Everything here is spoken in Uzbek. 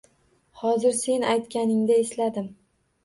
Hozir sen aytanganingda esladim.